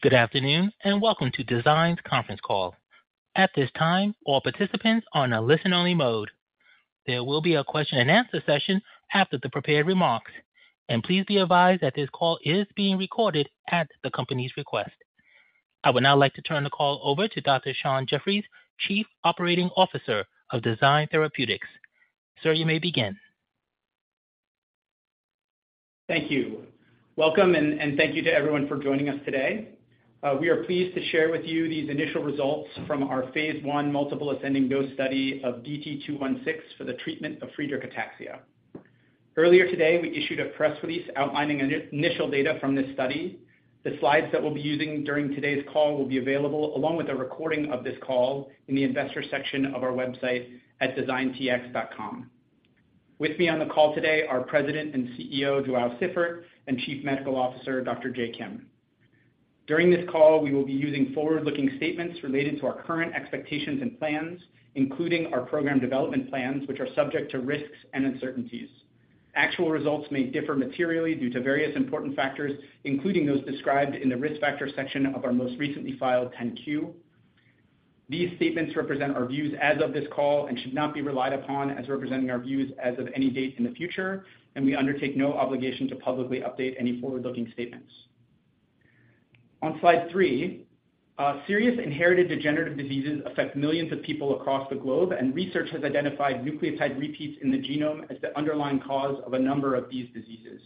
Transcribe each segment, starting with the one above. Good afternoon, and welcome to Design's conference call. At this time, all participants are on a listen-only mode. There will be a question and answer session after the prepared remarks. Please be advised that this call is being recorded at the company's request. I would now like to turn the call over to Dr. Sean Jeffries, Chief Operating Officer of Design Therapeutics. Sir, you may begin. Thank you. Welcome, and, and thank you to everyone for joining us today. We are pleased to share with you these initial results from our phase I multiple ascending dose study of DT-216 for the treatment of Friedreich's ataxia. Earlier today, we issued a press release outlining initial data from this study. The slides that we'll be using during today's call will be available, along with a recording of this call, in the investor section of our website at designtx.com. With me on the call today, are President and CEO, João Siffert, and Chief Medical Officer, Dr. Jae Kim. During this call, we will be using forward-looking statements related to our current expectations and plans, including our program development plans, which are subject to risks and uncertainties. Actual results may differ materially due to various important factors, including those described in the risk factor section of our most recently filed 10-Q. These statements represent our views as of this call and should not be relied upon as representing our views as of any date in the future. We undertake no obligation to publicly update any forward-looking statements. On slide 3, serious inherited degenerative diseases affect millions of people across the globe. Research has identified nucleotide repeats in the genome as the underlying cause of a number of these diseases.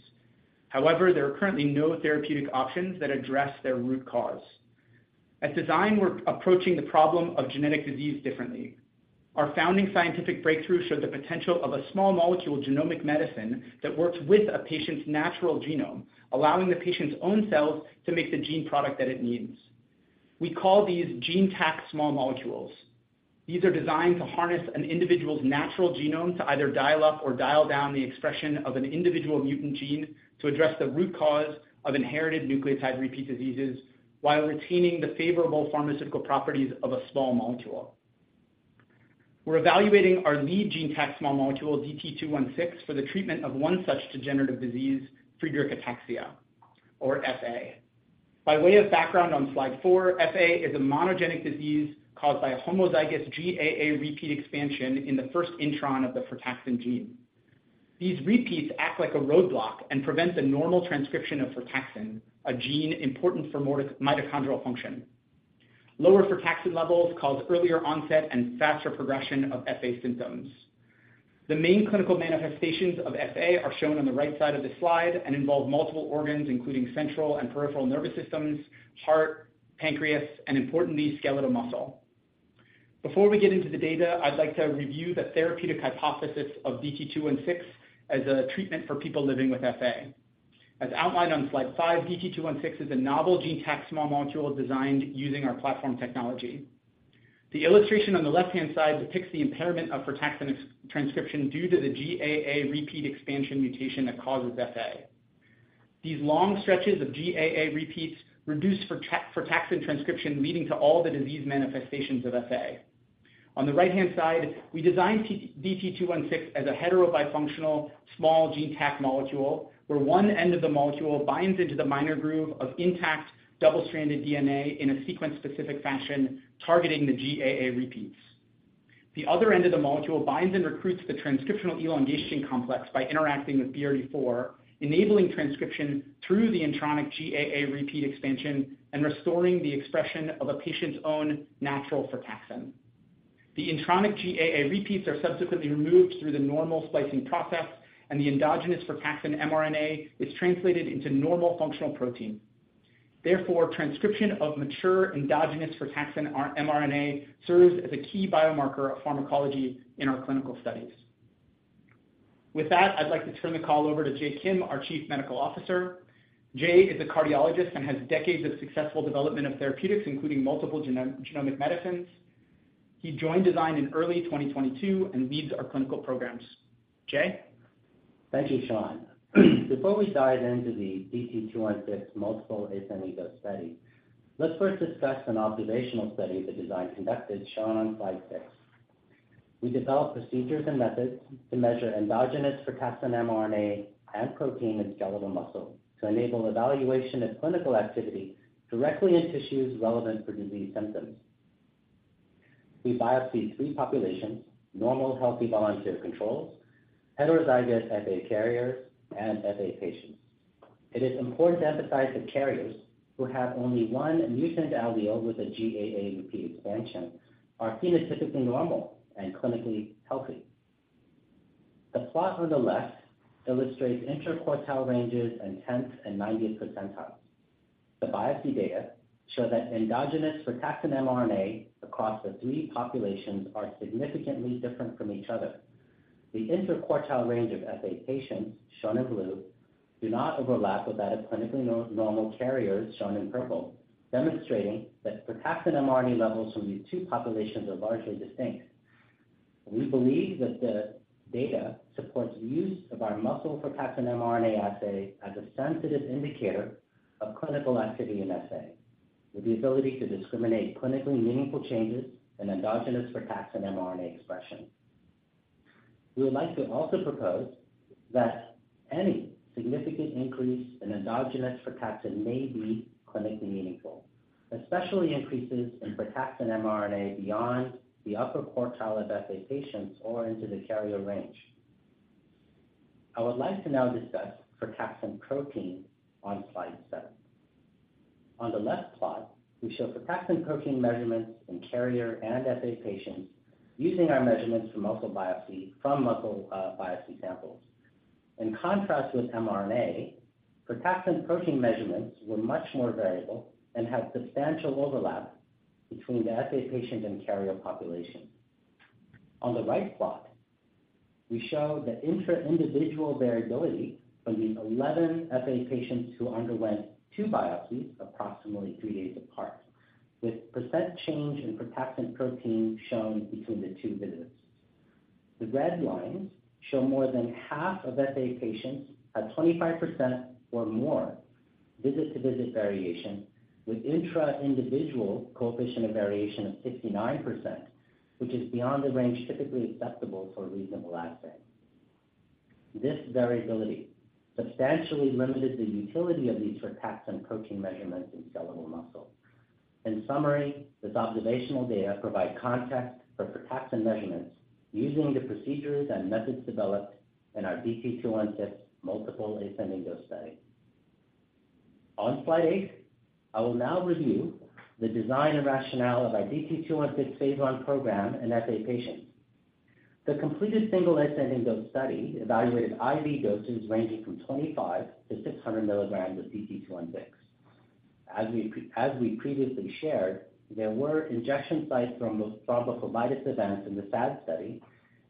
However, there are currently no therapeutic options that address their root cause. At Design, we're approaching the problem of genetic disease differently. Our founding scientific breakthrough showed the potential of a small molecule genomic medicine that works with a patient's natural genome, allowing the patient's own cells to make the gene product that it needs. We call these GeneTAC small molecules. These are designed to harness an individual's natural genome to either dial up or dial down the expression of an individual mutant gene to address the root cause of inherited nucleotide repeat diseases, while retaining the favorable pharmaceutical properties of a small molecule. We're evaluating our lead GeneTAC small molecule, DT-216, for the treatment of one such degenerative disease, Friedreich's ataxia, or FA. By way of background on slide 4, FA is a monogenic disease caused by a homozygous GAA repeat expansion in the first intron of the frataxin gene. These repeats act like a roadblock and prevent the normal transcription of frataxin, a gene important for mitochondrial function. Lower frataxin levels cause earlier onset and faster progression of FA symptoms. The main clinical manifestations of FA are shown on the right side of this slide and involve multiple organs, including central and peripheral nervous systems, heart, pancreas, and importantly, skeletal muscle. Before we get into the data, I'd like to review the therapeutic hypothesis of DT-216 as a treatment for people living with FA. As outlined on slide five, DT-216 is a novel GeneTAC small molecule designed using our platform technology. The illustration on the left-hand side depicts the impairment of frataxin transcription due to the GAA repeat expansion mutation that causes FA. These long stretches of GAA repeats reduce frataxin transcription, leading to all the disease manifestations of FA. On the right-hand side, we designed DT-216 as a heterobifunctional small GeneTAC molecule, where one end of the molecule binds into the minor groove of intact double-stranded DNA in a sequence-specific fashion, targeting the GAA repeats. The other end of the molecule binds and recruits the transcriptional elongation complex by interacting with BRD4, enabling transcription through the intronic GAA repeat expansion and restoring the expression of a patient's own natural frataxin. The intronic GAA repeats are subsequently removed through the normal splicing process, and the endogenous frataxin mRNA is translated into normal functional protein. Therefore, transcription of mature endogenous frataxin mRNA serves as a key biomarker of pharmacology in our clinical studies. With that, I'd like to turn the call over to Jae Kim, our Chief Medical Officer. Jae is a cardiologist and has decades of successful development of therapeutics, including multiple genomic medicines. He joined Design in early 2022 and leads our clinical programs. Jae? Thank you, Sean. Before we dive into the DT-216 multiple ascending dose study, let's first discuss an observational study that Design conducted, shown on slide 6. We developed procedures and methods to measure endogenous frataxin mRNA and protein and skeletal muscle to enable evaluation of clinical activity directly in tissues relevant for disease symptoms. We biopsied three populations, normal healthy volunteer controls, heterozygous FA carriers, and FA patients. It is important to emphasize that carriers who have only one mutant allele with a GAA repeat expansion are phenotypically normal and clinically healthy. The plot on the left illustrates interquartile ranges and 10th and 90th percentiles. The biopsy data show that endogenous frataxin mRNA across the three populations are significantly different from each other. The interquartile range of FA patients, shown in blue, do not overlap with that of clinically normal carriers, shown in purple, demonstrating that frataxin mRNA levels from these two populations are largely distinct. We believe that the data supports use of our muscle frataxin mRNA assay as a sensitive indicator of clinical activity in FA, with the ability to discriminate clinically meaningful changes in endogenous frataxin mRNA expression. We would like to also propose that any significant increase in endogenous frataxin may be clinically meaningful, especially increases in frataxin mRNA beyond the upper quartile of FA patients or into the carrier range. I would like to now discuss frataxin protein on slide 7. On the left plot, we show frataxin protein measurements in carrier and FA patients using our measurements from muscle biopsy, from muscle biopsy samples. In contrast with mRNA, frataxin protein measurements were much more variable and had substantial overlap between the FA patient and carrier population. On the right plot, we show the intra-individual variability from the 11 FA patients who underwent 2 biopsies approximately 3 days apart, with percent change in frataxin protein shown between the two visits. The red lines show more than half of FA patients at 25% or more visit-to-visit variation, with intra-individual coefficient of variation of 69%, which is beyond the range typically acceptable for reasonable assay. This variability substantially limited the utility of these frataxin protein measurements in skeletal muscle. In summary, this observational data provide context for frataxin measurements using the procedures and methods developed in our DT-216 multiple ascending dose study. On slide 8, I will now review the design and rationale of our DT-216 phase I program in FA patients. The completed single ascending dose study evaluated IV doses ranging from 25 to 600 milligrams of DT-216. As we previously shared, there were injection site thrombophlebitis events in the SAD study,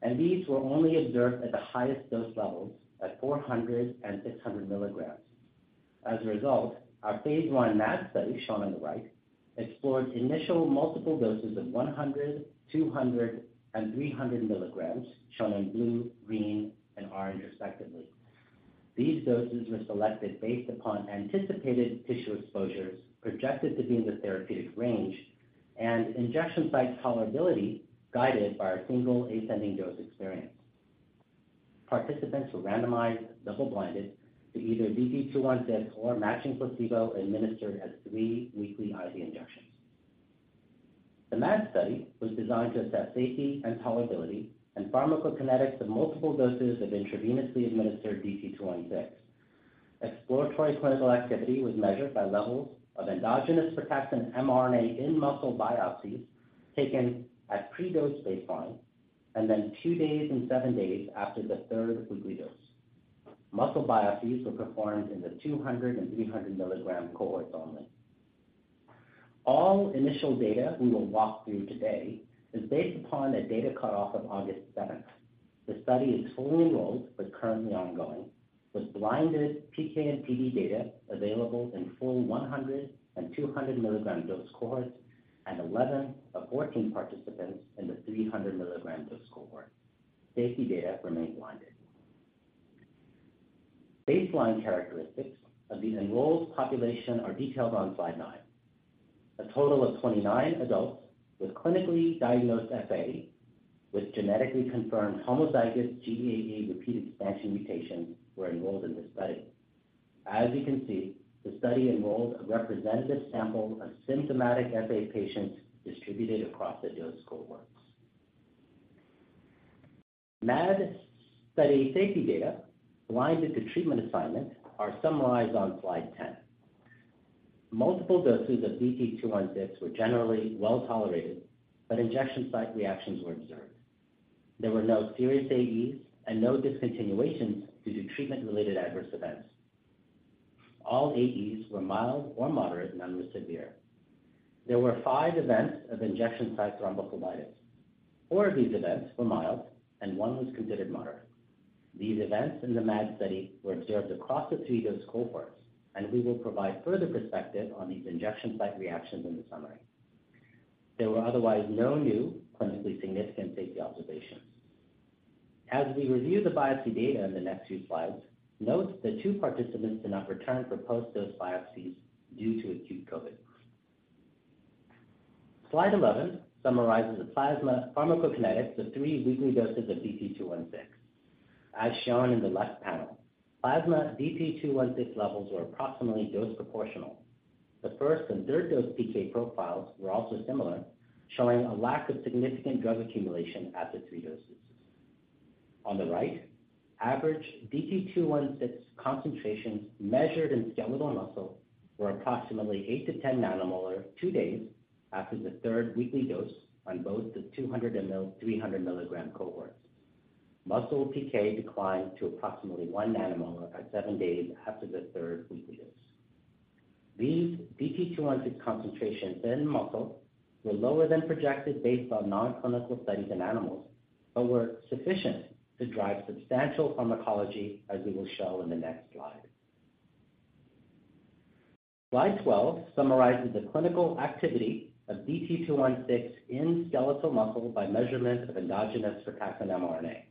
and these were only observed at the highest dose levels, at 400 and 600 milligrams. As a result, our phase I MAD study, shown on the right, explored initial multiple doses of 100, 200, and 300 milligrams, shown in blue, green, and orange respectively. These doses were selected based upon anticipated tissue exposures projected to be in the therapeutic range, and injection site tolerability, guided by our single ascending dose experience. Participants were randomized, double-blinded, to either DT-216 or matching placebo, administered as 3 weekly IV injections. The MAD study was designed to assess safety and tolerability and pharmacokinetics of multiple doses of intravenously administered DT-216. Exploratory clinical activity was measured by levels of endogenous frataxin mRNA in muscle biopsies taken at pre-dose baseline, and then 2 days and 7 days after the third weekly dose. Muscle biopsies were performed in the 200 and 300 milligram cohorts only. All initial data we will walk through today is based upon a data cut-off of August 7. The study is fully enrolled, currently ongoing, with blinded PK and PD data available in full 100 and 200 milligram dose cohorts, and 11 of 14 participants in the 300 milligram dose cohort. Safety data remain blinded. Baseline characteristics of the enrolled population are detailed on slide 9. A total of 29 adults with clinically diagnosed FA, with genetically confirmed homozygous GAA repeat expansion mutation, were enrolled in this study. You can see, the study enrolled a representative sample of symptomatic FA patients distributed across the dose cohorts. MAD study safety data blinded to treatment assignment are summarized on slide 10. Multiple doses of DT-216 were generally well-tolerated, but injection site reactions were observed. There were no serious AEs and no discontinuations due to treatment-related adverse events. All AEs were mild or moderate, none were severe. There were 5 events of injection-site thrombophlebitis. 4 of these events were mild, and 1 was considered moderate. These events in the MAD study were observed across the 3 dose cohorts, and we will provide further perspective on these injection site reactions in the summary. There were otherwise no new clinically significant safety observations. As we review the biopsy data in the next few slides, note that 2 participants did not return for post-dose biopsies due to acute COVID. Slide 11 summarizes the plasma pharmacokinetics of 3 weekly doses of DT-216. As shown in the left panel, plasma DT-216 levels were approximately dose proportional. The first and third dose PK profiles were also similar, showing a lack of significant drug accumulation at the 3 doses. On the right, average DT-216 concentrations measured in skeletal muscle were approximately 8-10 nanomolar, 2 days after the third weekly dose on both the 200 and 300 mg cohorts. Muscle PK declined to approximately 1 nanomolar by 7 days after the third weekly dose. These DT-216 concentrations in muscle were lower than projected based on non-clinical studies in animals, but were sufficient to drive substantial pharmacology, as we will show in the next slide. Slide 12 summarizes the clinical activity of DT-216 in skeletal muscle by measurement of endogenous frataxin mRNA.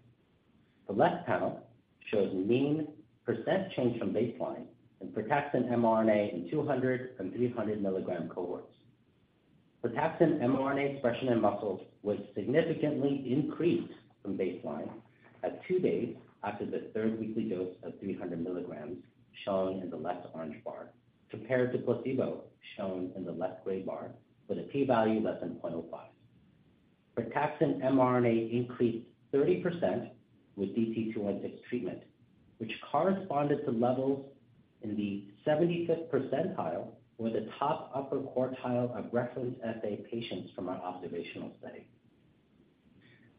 The left panel shows mean percent change from baseline in frataxin mRNA in 200 and 300 milligram cohorts. Frataxin mRNA expression in muscles was significantly increased from baseline at 2 days after the 3rd weekly dose of 300 milligrams, shown in the left orange bar, compared to placebo, shown in the left gray bar, with a p-value less than 0.05. Frataxin mRNA increased 30% with DT-216 treatment, which corresponded to levels in the 75th percentile, or the top upper quartile of reference FA patients from our observational study.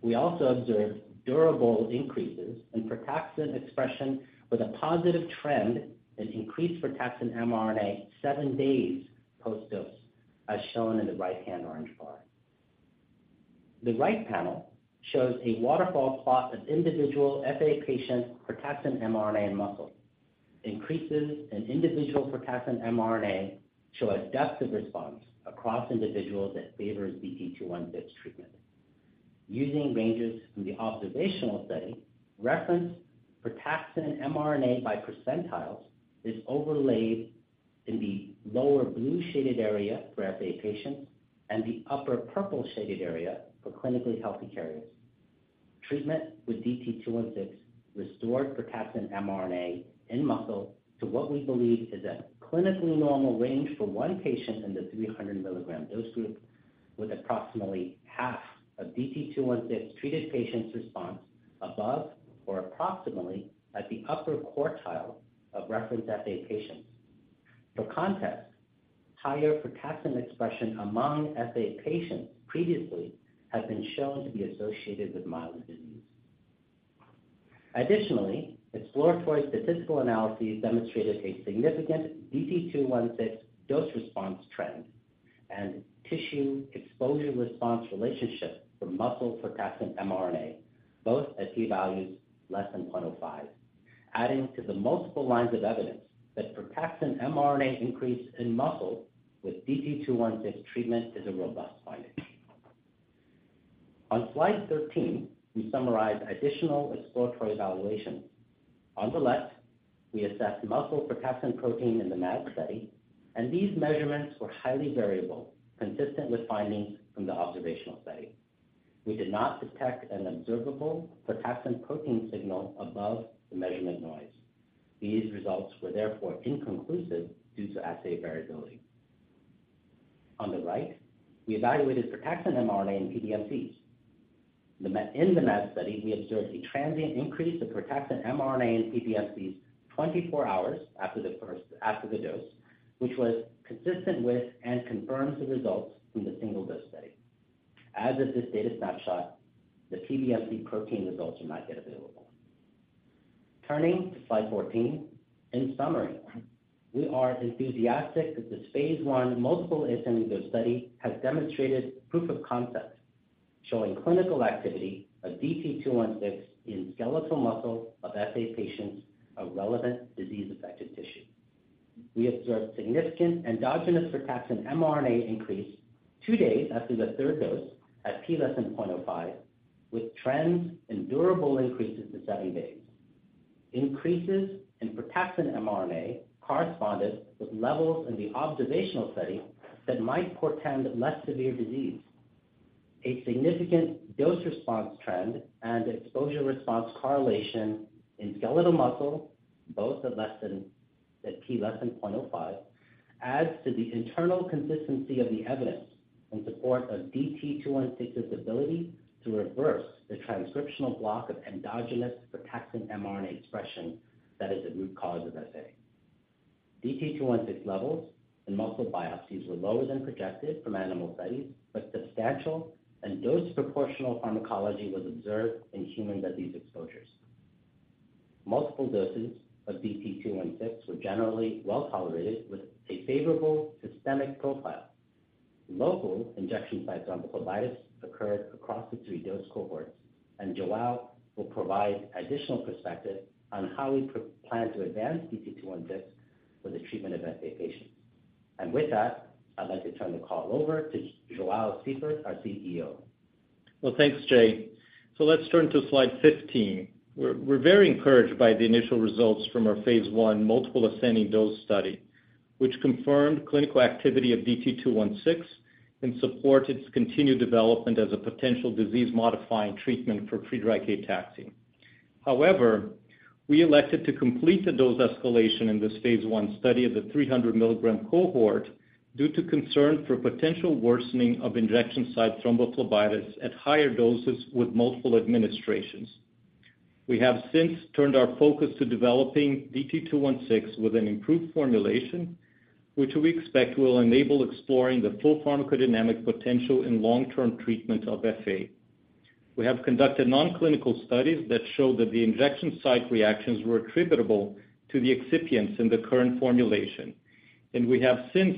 We also observed durable increases in frataxin expression, with a positive trend in increased frataxin mRNA seven days post-dose, as shown in the right-hand orange bar. The right panel shows a waterfall plot of individual FA patient frataxin mRNA and muscle. Increases in individual frataxin mRNA show a depth of response across individuals that favors DT-216 treatment. Using ranges from the observational study, reference frataxin mRNA by percentiles is overlaid in the lower blue shaded area for FA patients and the upper purple shaded area for clinically healthy carriers. Treatment with DT-216 restored frataxin mRNA in muscle to what we believe is a clinically normal range for one patient in the 300 milligram dose group, with approximately half of DT-216-treated patients' response above or approximately at the upper quartile of reference FA patients. For context, higher frataxin expression among FA patients previously has been shown to be associated with milder disease. Additionally, exploratory statistical analyses demonstrated a significant DT-216 dose response trend and tissue exposure-response relationship for muscle frataxin mRNA, both at p-values less than 0.05, adding to the multiple lines of evidence that frataxin mRNA increase in muscle with DT-216 treatment is a robust finding. On slide 13, we summarize additional exploratory evaluations. On the left, we assess muscle frataxin protein in the MAD study, and these measurements were highly variable, consistent with findings from the observational study. We did not detect an observable frataxin protein signal above the measurement noise. These results were therefore inconclusive due to assay variability. On the right, we evaluated frataxin mRNA in PBMCs. In the MAD study, we observed a transient increase of frataxin mRNA in PBMCs 24 hours after the dose, which was consistent with and confirms the results from the single-dose study. As of this data snapshot, the PBMC protein results are not yet available. Turning to slide 14, in summary, we are enthusiastic that this phase I multiple ascending dose study has demonstrated proof of concept, showing clinical activity of DT-216 in skeletal muscle of FA patients of relevant disease-affected tissue. We observed significant endogenous frataxin mRNA increase 2 days after the 3rd dose at p < 0.05, with trends and durable increases to 7 days. Increases in frataxin mRNA corresponded with levels in the observational study that might portend less severe disease. A significant dose response trend and exposure-response correlation in skeletal muscle, both at less than p less than 0.05, adds to the internal consistency of the evidence in support of DT-216's ability to reverse the transcriptional block of endogenous frataxin mRNA expression that is a root cause of FA. DT-216 levels in muscle biopsies were lower than projected from animal studies, but substantial and dose proportional pharmacology was observed in human disease exposures. Multiple doses of DT-216 were generally well tolerated, with a favorable systemic profile. Local injection site thrombophlebitis occurred across the three dose cohorts, João will provide additional perspective on how we plan to advance DT-216 for the treatment of FA patients. With that, I'd like to turn the call over to João Siffert, our CEO. Thanks, Jae. Let's turn to slide 15. We're very encouraged by the initial results from our phase I multiple ascending dose study, which confirmed clinical activity of DT-216 and support its continued development as a potential disease-modifying treatment for Friedreich's ataxia. However, we elected to complete the dose escalation in this phase 1 study of the 300 milligram cohort due to concern for potential worsening of injection site thrombophlebitis at higher doses with multiple administrations. We have since turned our focus to developing DT-216 with an improved formulation, which we expect will enable exploring the full pharmacodynamic potential in long-term treatment of FA. We have conducted non-clinical studies that show that the injection site reactions were attributable to the excipients in the current formulation, and we have since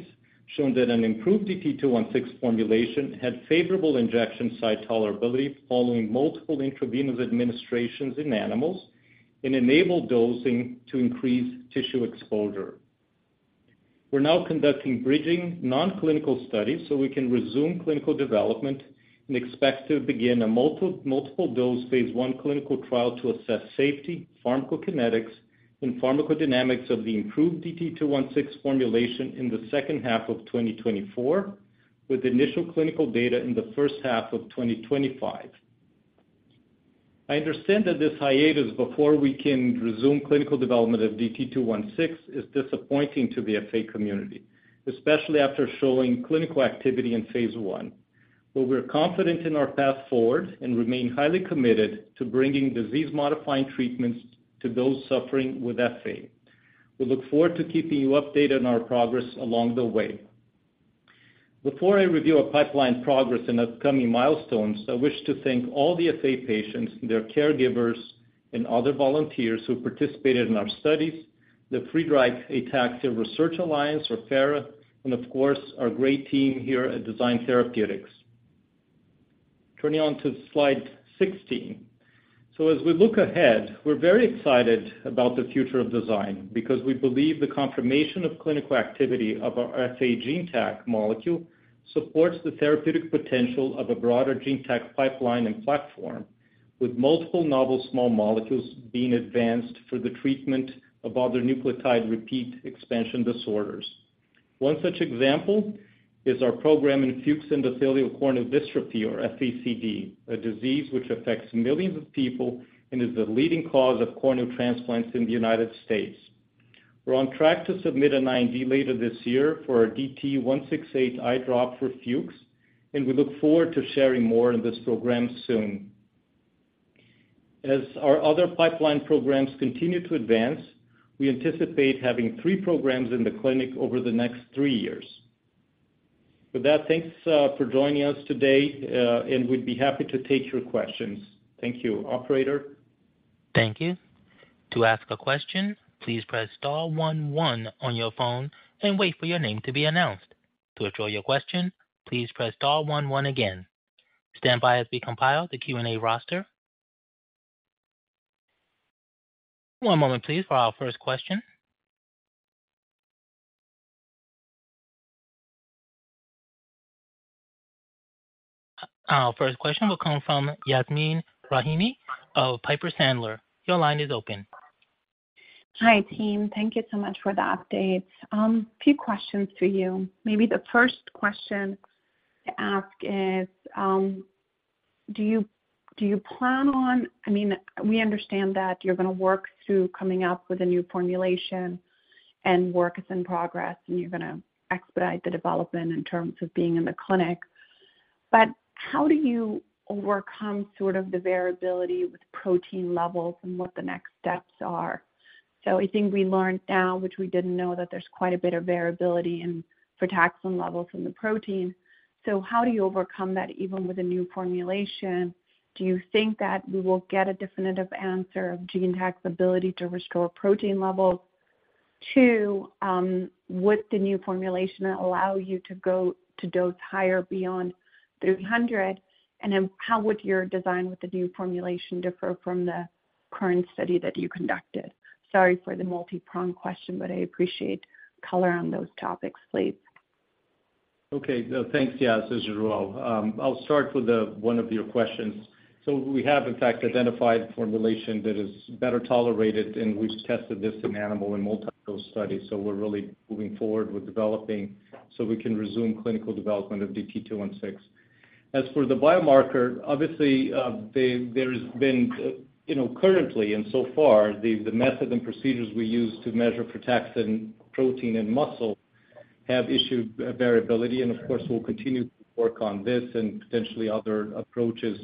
shown that an improved DT-216 formulation had favorable injection site tolerability following multiple intravenous administrations in animals and enabled dosing to increase tissue exposure. We're now conducting bridging non-clinical studies so we can resume clinical development and expect to begin a multiple dose phase I clinical trial to assess safety, pharmacokinetics and pharmacodynamics of the improved DT-216 formulation in the second half of 2024, with initial clinical data in the first half of 2025. I understand that this hiatus before we can resume clinical development of DT-216 is disappointing to the FA community, especially after showing clinical activity in phase I. We're confident in our path forward and remain highly committed to bringing disease-modifying treatments to those suffering with FA. We look forward to keeping you updated on our progress along the way. Before I review our pipeline progress and upcoming milestones, I wish to thank all the FA patients, their caregivers, and other volunteers who participated in our studies, the Friedreich's Ataxia Research Alliance, or FARA, and of course, our great team here at Design Therapeutics. Turning on to slide 16. As we look ahead, we're very excited about the future of Design, because we believe the confirmation of clinical activity of our FA GeneTAC molecule supports the therapeutic potential of a broader GeneTAC pipeline and platform, with multiple novel small molecules being advanced for the treatment of other nucleotide repeat expansion disorders. One such example is our program in Fuchs endothelial corneal dystrophy, or FECD, a disease which affects millions of people and is the leading cause of corneal transplants in the United States. We're on track to submit an IND later this year for our DT-168 eye drop for Fuchs, We look forward to sharing more on this program soon. As our other pipeline programs continue to advance, we anticipate having three programs in the clinic over the next three years. With that, thanks for joining us today, we'd be happy to take your questions. Thank you. Operator? Thank you. To ask a question, please press star one one on your phone and wait for your name to be announced. To withdraw your question, please press star one one again. Stand by as we compile the Q&A roster. One moment, please, for our first question. Our first question will come from Yasmeen Rahimi of Piper Sandler. Your line is open. Hi, team. Thank you so much for the update. A few questions to you. Maybe the first question to ask is, do you, do you plan on... I mean, we understand that you're gonna work through coming up with a new formulation and work is in progress, and you're gonna expedite the development in terms of being in the clinic. But how do you overcome sort of the variability with protein levels and what the next steps are? I think we learned now, which we didn't know, that there's quite a bit of variability in frataxin levels in the protein. How do you overcome that, even with a new formulation? Do you think that we will get a definitive answer of GeneTAC's ability to restore protein levels? Two, would the new formulation allow you to go to dose higher beyond 300, and then how would your design with the new formulation differ from the current study that you conducted? Sorry for the multipronged question, but I appreciate color on those topics, please. Okay, thanks. Yes, this is João. I'll start with the one of your questions. We have, in fact, identified a formulation that is better tolerated, and we've tested this in animal in multiple studies, so we're really moving forward with developing so we can resume clinical development of DT-216. As for the biomarker, obviously, there has been, you know, currently and so far, the method and procedures we use to measure frataxin protein and muscle have issued variability, and of course, we'll continue to work on this and potentially other approaches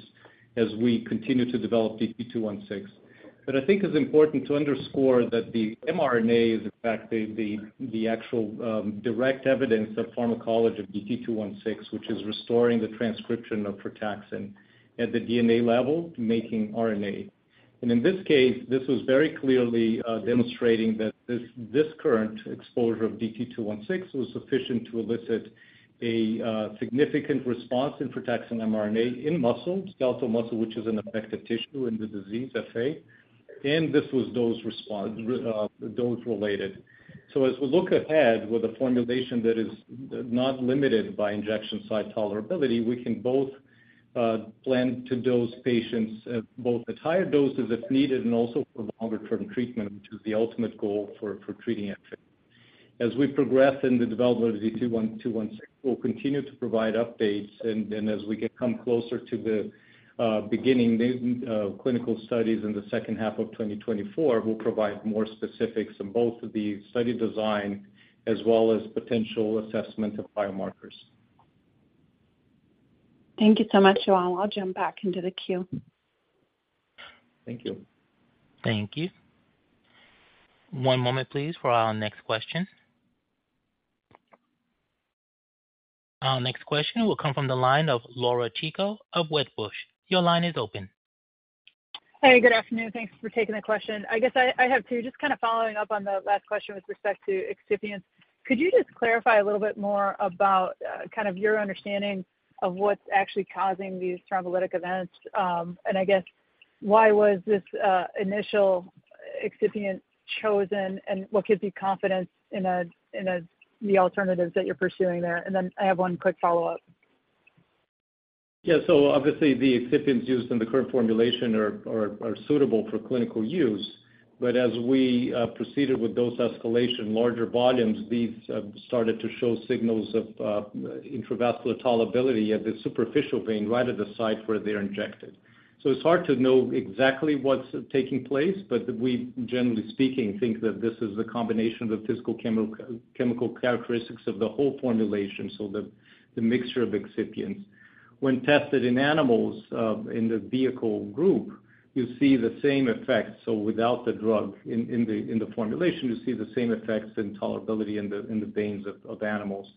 as we continue to develop DT-216. I think it's important to underscore that the mRNA is in fact the, the, the actual direct evidence of pharmacology of DT-216, which is restoring the transcription of frataxin at the DNA level, making RNA. In this case, this was very clearly demonstrating that this, this current exposure of DT-216 was sufficient to elicit a significant response in frataxin mRNA in muscle, skeletal muscle, which is an affected tissue in the disease, FA, and this was dose response, dose-related. As we look ahead with a formulation that is not limited by injection site tolerability, we can both plan to dose patients both at higher doses if needed and also for longer-term treatment, which is the ultimate goal for, for treating FA. As we progress in the development of DT-216, we'll continue to provide updates, and then, as we get come closer to the beginning new clinical studies in the second half of 2024, we'll provide more specifics on both of the study design as well as potential assessment of biomarkers. Thank you so much, João. I'll jump back into the queue. Thank you. Thank you. One moment, please, for our next question. Our next question will come from the line of Laura Chico of Wedbush. Your line is open. Hey, good afternoon. Thanks for taking the question. I guess I, I have two. Just kind of following up on the last question with respect to excipient. Could you just clarify a little bit more about, kind of your understanding of what's actually causing these thrombophlebitic events? I guess why was this, initial excipient chosen, and what gives you confidence in the alternatives that you're pursuing there? Then I have one quick follow-up. Yeah, obviously, the excipients used in the current formulation are suitable for clinical use. As we proceeded with dose escalation, larger volumes, these started to show signals of intravascular tolerability at the superficial vein right at the site where they're injected. It's hard to know exactly what's taking place, but we, generally speaking, think that this is a combination of the physical, chemical characteristics of the whole formulation, the mixture of excipients. When tested in animals, in the vehicle group, you see the same effect. Without the drug in the formulation, you see the same effects and tolerability in the veins of animals.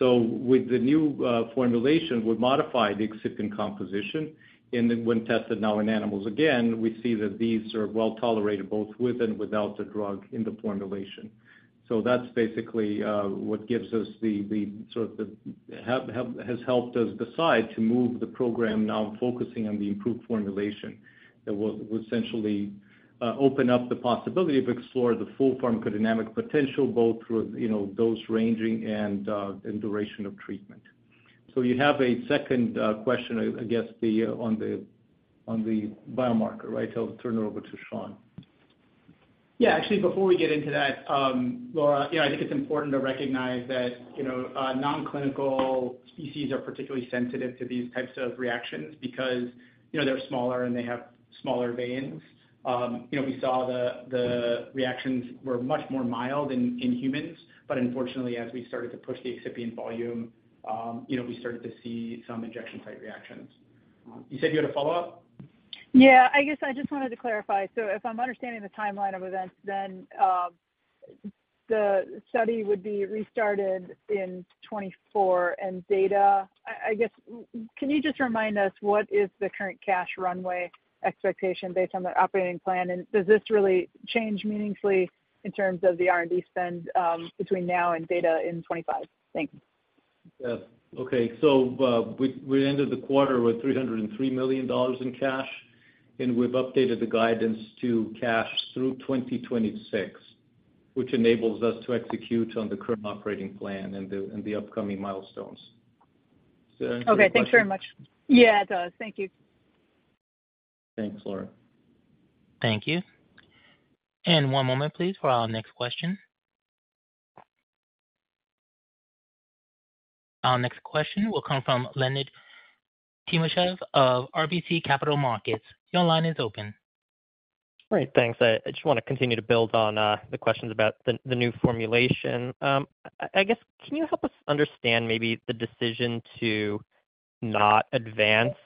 With the new formulation, we modified the excipient composition, and then when tested now in animals again, we see that these are well tolerated, both with and without the drug in the formulation. That's basically what gives us the sort of has helped us decide to move the program now focusing on the improved formulation, that will essentially open up the possibility to explore the full pharmacodynamic potential, both through, you know, dose ranging and duration of treatment. You have a second question, I guess, on the biomarker, right? I'll turn it over to Sean. Yeah, actually, before we get into that, Laura, you know, I think it's important to recognize that, you know, non-clinical species are particularly sensitive to these types of reactions because, you know, they're smaller and they have smaller veins. You know, we saw the, the reactions were much more mild in, in humans, but unfortunately, as we started to push the excipient volume, you know, we started to see some injection site reactions. You said you had a follow-up? Yeah, I guess I just wanted to clarify. If I'm understanding the timeline of events, the study would be restarted in 2024. Data, I guess, can you just remind us what is the current cash runway expectation based on the operating plan? Does this really change meaningfully in terms of the R&D spend between now and data in 2025? Thanks. Yeah. Okay, we, we ended the quarter with $303 million in cash, and we've updated the guidance to cash through 2026, which enables us to execute on the current operating plan and the, and the upcoming milestones. Does that answer your question? Okay, thanks very much. Yeah, it does. Thank you. Thanks, Laura. Thank you. One moment, please, for our next question. Our next question will come from Leonid Timashev of RBC Capital Markets. Your line is open. Great, thanks. I, I just want to continue to build on the questions about the new formulation. I, I guess, can you help us understand maybe the decision to not advance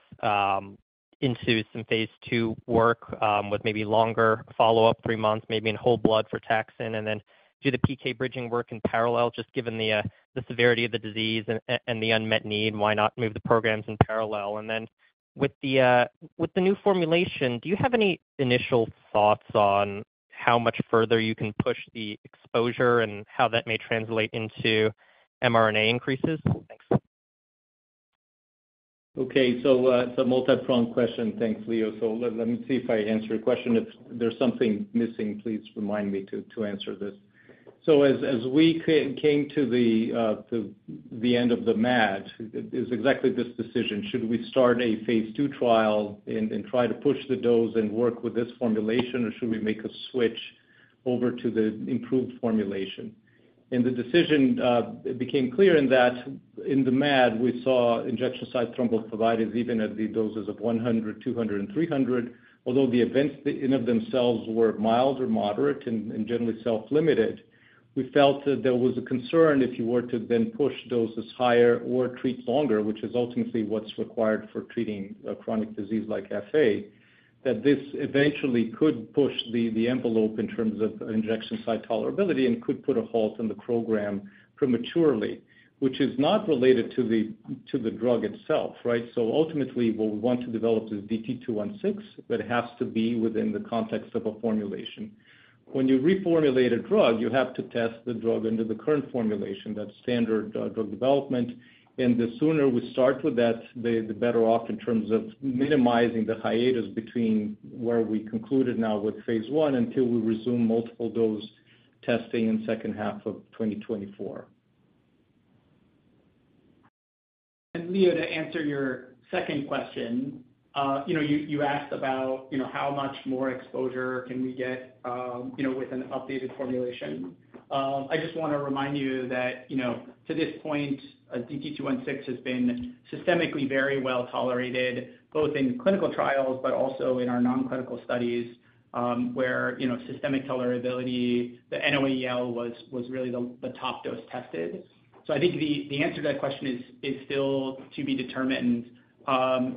into some phase II work with maybe longer follow-up, 3 months, maybe in whole blood for frataxin, and then do the PK bridging work in parallel, just given the severity of the disease and the unmet need, why not move the programs in parallel? Then with the new formulation, do you have any initial thoughts on how much further you can push the exposure and how that may translate into mRNA increases? Thanks. Okay, it's a multipronged question. Thanks, Leo. Let me see if I answer your question. If there's something missing, please remind me to answer this. As we came to the end of the MAD, it is exactly this decision. Should we start a phase II trial and try to push the dose and work with this formulation, or should we make a switch over to the improved formulation? The decision, it became clear in that in the MAD, we saw injection site thrombophlebitis even at the doses of 100, 200, and 300. Although the events in and of themselves were mild or moderate and, and generally self-limited, we felt that there was a concern if you were to then push doses higher or treat longer, which is ultimately what's required for treating a chronic disease like FA, that this eventually could push the, the envelope in terms of injection site tolerability and could put a halt on the program prematurely, which is not related to the, to the drug itself, right? Ultimately, what we want to develop is DT-216, but it has to be within the context of a formulation. When you reformulate a drug, you have to test the drug under the current formulation. That's standard drug development. The sooner we start with that, the better off in terms of minimizing the hiatus between where we concluded now with phase I until we resume multiple dose testing in second half of 2024. Leo, to answer your second question, you know, you, you asked about, you know, how much more exposure can we get, you know, with an updated formulation. I just want to remind you that, you know, to this point, DT-216 has been systemically very well tolerated, both in clinical trials but also in our non-clinical studies, where, you know, systemic tolerability, the NOEL was, was really the, the top dose tested. I think the, the answer to that question is, is still to be determined.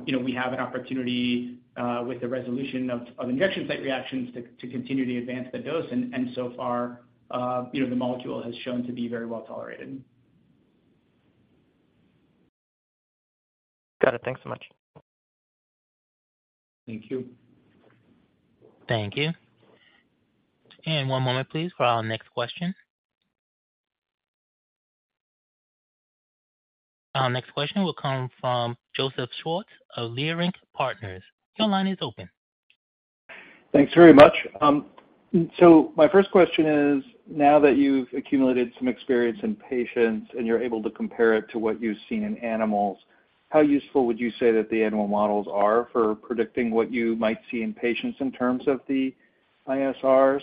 You know, we have an opportunity, with the resolution of, of injection site reactions to, to continue to advance the dose. And so far, you know, the molecule has shown to be very well tolerated. Got it. Thanks so much. Thank you. Thank you. One moment, please, for our next question. Our next question will come from Joseph Schwartz of Leerink Partners. Your line is open. Thanks very much. So my first question is, now that you've accumulated some experience in patients and you're able to compare it to what you've seen in animals, how useful would you say that the animal models are for predicting what you might see in patients in terms of the ISRs?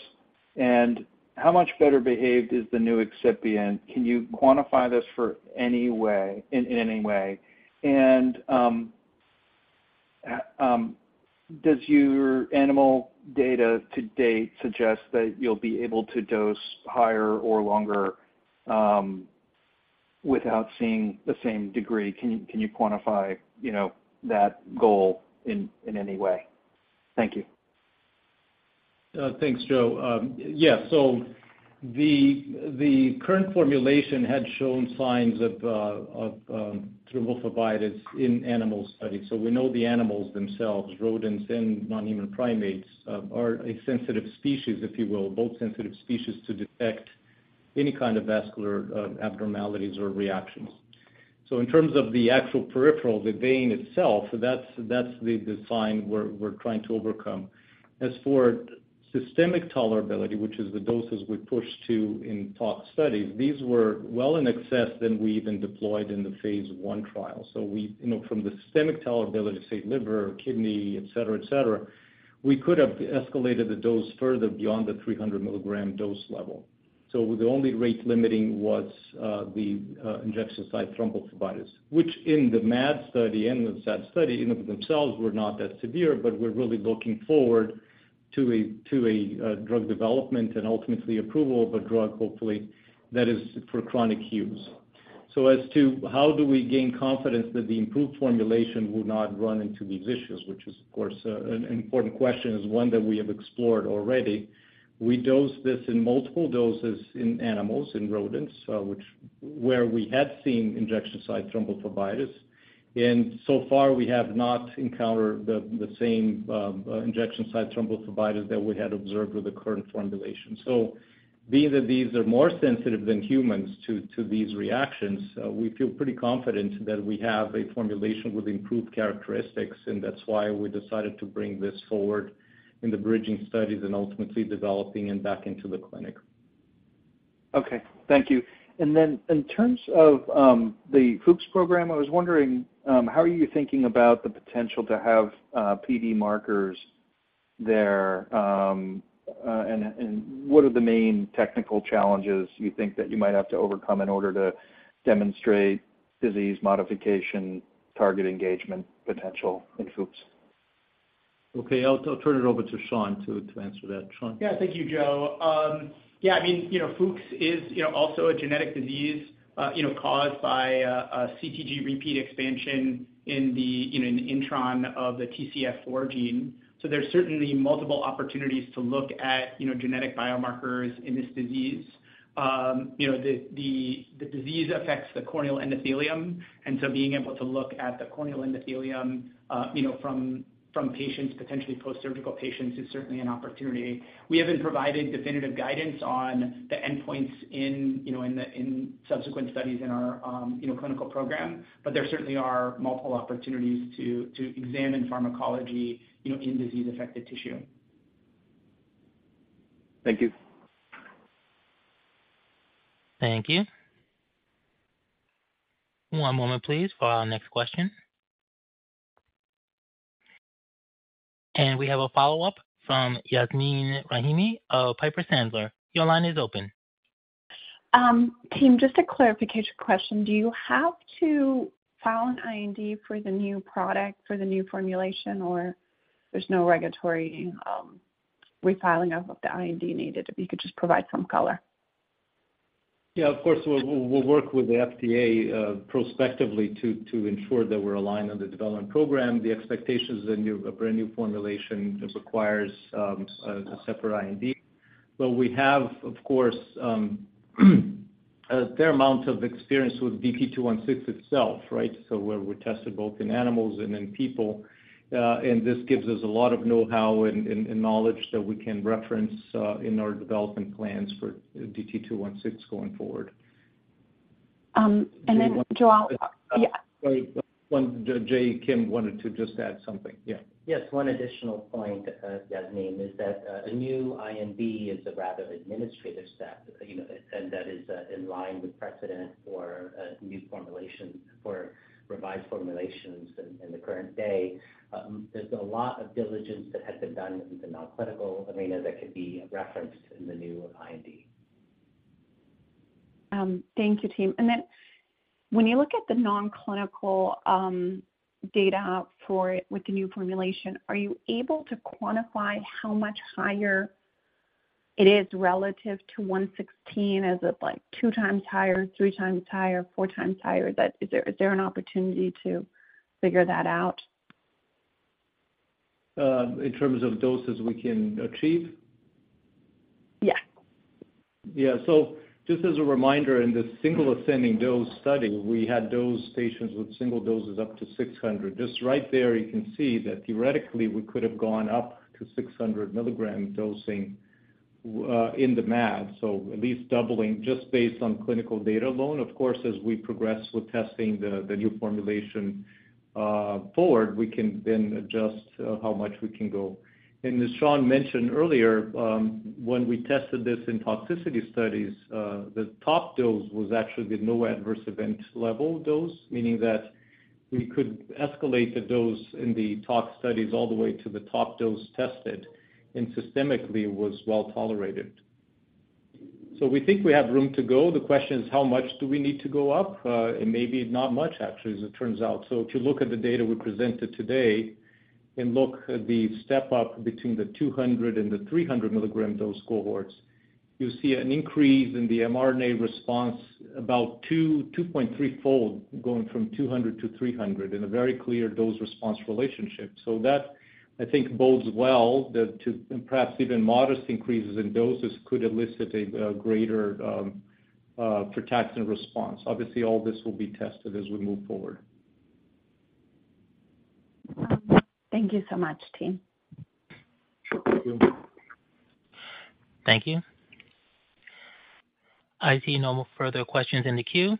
How much better behaved is the new excipient? Can you quantify this in any way? Does your animal data to date suggest that you'll be able to dose higher or longer without seeing the same degree? Can you, can you quantify, you know, that goal in any way? Thank you. Thanks, Joe. Yeah, the current formulation had shown signs of thrombophlebitis in animal studies. We know the animals themselves, rodents and non-human primates, are a sensitive species, if you will. Both sensitive species to detect any kind of vascular abnormalities or reactions. In terms of the actual peripheral, the vein itself, that's, that's the design we're, we're trying to overcome. As for systemic tolerability, which is the doses we push to in tox studies, these were well in excess than we even deployed in the phase 1 trial. We, you know, from the systemic tolerability of, say, liver, kidney, et cetera, et cetera, we could have escalated the dose further beyond the 300 milligram dose level. The only rate-limiting was the injection-site Thrombophlebitis, which in the MAD study and the SAD study, in of themselves, were not that severe, but we're really looking forward to a, to a, drug development and ultimately approval of a drug, hopefully, that is for chronic use. As to how do we gain confidence that the improved formulation will not run into these issues, which is, of course, an important question, is one that we have explored already. We dosed this in multiple doses in animals, in rodents, which... where we had seen injection-site Thrombophlebitis. So far, we have not encountered the, the same, injection-site Thrombophlebitis that we had observed with the current formulation. being that these are more sensitive than humans to, to these reactions, we feel pretty confident that we have a formulation with improved characteristics, and that's why we decided to bring this forward in the bridging studies and ultimately developing it back into the clinic. Okay. Thank you. In terms of the Fuchs program, I was wondering, how are you thinking about the potential to have PD markers there? What are the main technical challenges you think that you might have to overcome in order to demonstrate disease modification, target engagement, potential in Fuchs? Okay, I'll, I'll turn it over to Sean to, to answer that. Sean? Yeah. Thank you, Joe. Yeah, I mean, you know, Fuchs is, you know, also a genetic disease, you know, caused by a, a CTG repeat expansion in the, in an intron of the TCF4 gene. There's certainly multiple opportunities to look at, you know, genetic biomarkers in this disease. You know, the, the, the disease affects the corneal endothelium, and so being able to look at the corneal endothelium, you know, from, from patients, potentially post-surgical patients, is certainly an opportunity. We haven't provided definitive guidance on the endpoints in, you know, in the, in subsequent studies in our, you know, clinical program, but there certainly are multiple opportunities to, to examine pharmacology, you know, in disease-affected tissue. Thank you. Thank you. One moment, please, for our next question. We have a follow-up from Yasmeen Rahimi of Piper Sandler. Your line is open. Team, just a clarification question. Do you have to file an IND for the new product, for the new formulation, or there's no regulatory refiling of the IND needed? If you could just provide some color. Yeah, of course, we'll, we'll, we'll work with the FDA prospectively to, to ensure that we're aligned on the development program. The expectations is a brand new formulation requires a separate IND. We have, of course, a fair amount of experience with DT216 itself, right? Where we tested both in animals and in people, and this gives us a lot of know-how and, and, and knowledge that we can reference in our development plans for DT216 going forward. Then, João- Wait. Yeah. Jae Kim wanted to just add something. Yeah. Yes. One additional point, Yasmin, is that, a new IND is a rather administrative step, you know, and that is, in line with precedent for a new formulation, for revised formulations in, in the current day. There's a lot of diligence that has been done in the non-clinical arena that could be referenced in the new IND. Thank you, team. When you look at the non-clinical data with the new formulation, are you able to quantify how much higher it is relative to 116? Is it, like, two times higher, three times higher, four times higher? Is there, is there an opportunity to figure that out? In terms of doses we can achieve? Yeah. Yeah. just as a reminder, in the single ascending dose study, we had dosed patients with single doses up to 600. Just right there, you can see that theoretically, we could have gone up to 600 milligram dosing in the MAD. At least doubling just based on clinical data alone. Of course, as we progress with testing the new formulation forward, we can then adjust how much we can go. As Sean mentioned earlier, when we tested this in toxicity studies, the top dose was actually the no observed adverse effect level dose, meaning that we could escalate the dose in the top studies all the way to the top dose tested, and systemically, was well tolerated. We think we have room to go. The question is, how much do we need to go up? Maybe not much, actually, as it turns out. If you look at the data we presented today, and look at the step up between the 200 and the 300 milligram dose cohorts, you see an increase in the mRNA response about 2, 2.3-fold, going from 200 to 300 in a very clear dose-response relationship. That, I think, bodes well that to... perhaps even modest increases in doses could elicit a greater protection response. Obviously, all this will be tested as we move forward. Thank you so much, team. Sure. Thank you. Thank you. I see no more further questions in the queue.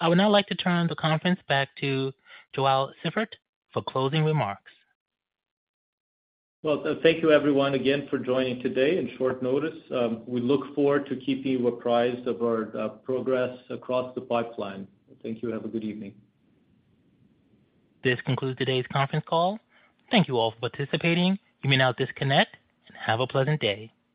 I would now like to turn the conference back to João Siffert for closing remarks. Well, thank you everyone again for joining today in short notice. We look forward to keeping you apprised of our progress across the pipeline. Thank you. Have a good evening. This concludes today's conference call. Thank you all for participating. You may now disconnect and have a pleasant day.